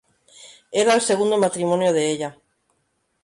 Era el segundo matrimonio de ella.